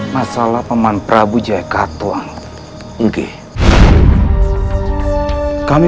masalah pak man juru demo